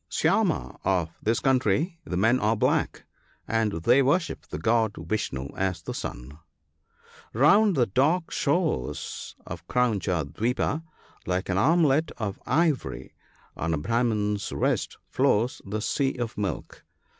(Syama) of this country the men are black, and they worship the God Vishnoo, as the sun. Round the dark shores of Krauncha divipa^ " like an armlet of ivory on a Brahmanee's wrist," flows the sea of milk.